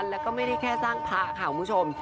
แล้วก็ไม่ได้แค่สร้างพระค่ะคุณผู้ชม